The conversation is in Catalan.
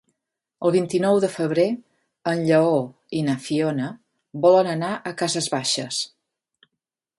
El vint-i-nou de febrer en Lleó i na Fiona volen anar a Cases Baixes.